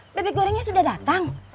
mebek gorengnya sudah datang